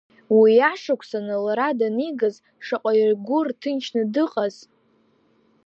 Уи ашықәсаны, лара данигаз, шаҟа игәы рҭынчны дыҟаз!